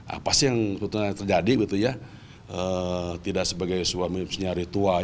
apa sih yang terjadi tidak sebagai suami suami ritual